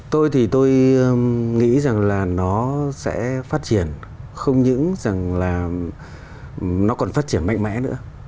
tôi thì tôi nghĩ rằng là nó sẽ phát triển không những rằng là nó còn phát triển mạnh mẽ nữa